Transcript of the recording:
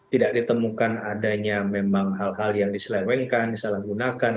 tidak ditemukan adanya memang hal hal yang diselewengkan disalahgunakan